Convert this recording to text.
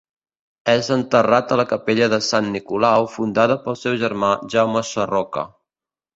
És enterrat a la capella de sant Nicolau, fundada pel seu germà Jaume Sarroca.